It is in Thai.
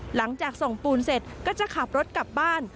หลังจากส่งปูนเสร็จก็จะขับรถกลับบ้าน